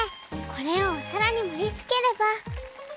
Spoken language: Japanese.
これをおさらにもりつければ。